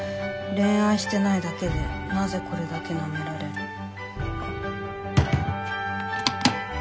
恋愛してないだけでなぜこれだけ舐められる」。